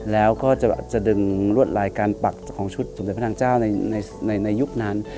แล้วก็จะดึงรวดลายการปักของชุดสมเด็จพระนางเจ้าในยุคนั้น